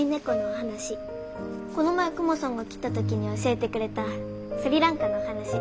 この前クマさんが来た時に教えてくれたスリランカのお話。